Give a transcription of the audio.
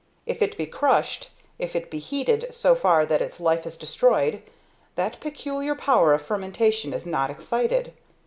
If it be crushed, if it be heated so far that its life is destroyed, that peculiar power of fermentation is not excited.